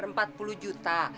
benar empat puluh juta